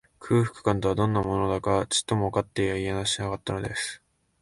空腹感とは、どんなものだか、ちっともわかっていやしなかったのです